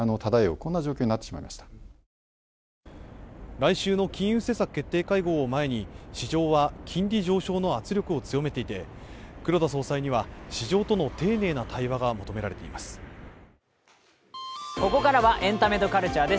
来週の金融政策決定会合を前に市場は金利上昇の圧力を強めていて黒田総裁には市場との丁寧な対話が求められています。